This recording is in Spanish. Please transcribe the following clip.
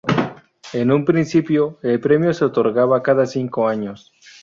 En un principio el premio se otorgaba cada cinco años.